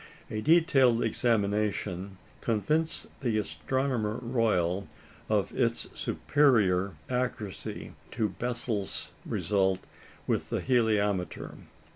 A detailed examination convinced the Astronomer Royal of its superior accuracy to Bessel's result with the heliometer.